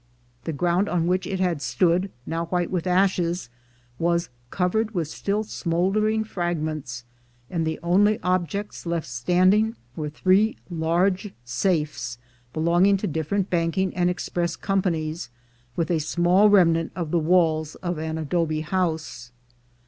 The ground on which it had stood, now white with ashes, was covered with still smoldering fragments, and the only objects left standing were three large safes belonging to different banking and express companies, with a small remnant of the walls of an adobe house.